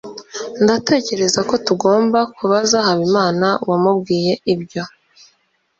ndatekereza ko tugomba kubaza habimana wamubwiye ibyo